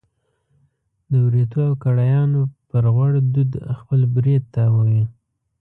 د وریتو او کړایانو پر غوړ دود خپل برېت تاووي.